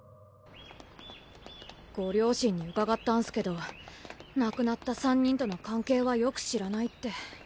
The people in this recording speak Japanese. ご両親に伺ったんすけど亡くなった三人との関係はよく知らないって。